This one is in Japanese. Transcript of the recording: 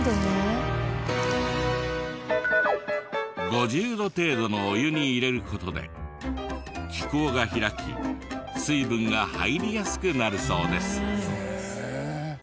５０度程度のお湯に入れる事で気孔が開き水分が入りやすくなるそうです。